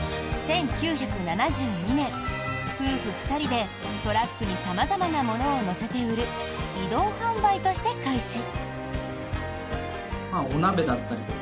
１９７２年夫婦２人でトラックに様々なものを載せて売る移動販売として開始。